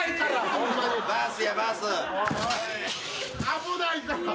危ないから。